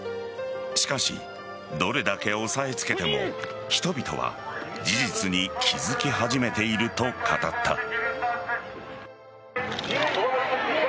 しかし、どれだけ抑えつけても人々は事実に気づき始めていると語った。